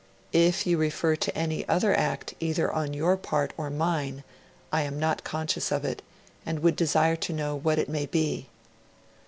'If you refer to any other act either on your part or mine I am not conscious of it, and would desire to know what it may be.